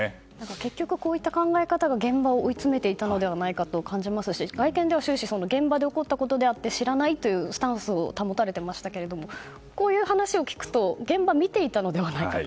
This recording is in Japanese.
結局、こういった考え方が現場を追い詰めていたのではと感じますし、会見では終始現場で起こったことなので知らないというスタンスを保たれてましたけれどもこういう話を聞くと現場を見ていたのではないかと。